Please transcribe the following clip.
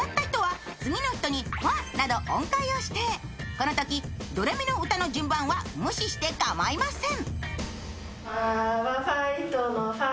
このとき「ドレミの歌」の順番は無視してかまいません。